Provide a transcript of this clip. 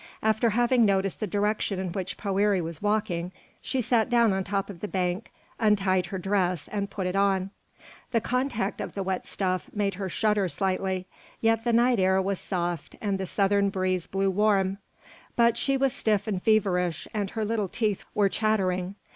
After having noticed the direction in which Poëri was walking, she sat down on top of the bank, untied her dress, and put it on. The contact of the wet stuff made her shudder slightly, yet the night air was soft and the southern breeze blew warm; but she was stiff and feverish, and her little teeth were chattering.